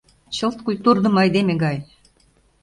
Чылт культурдымо айдеме гай.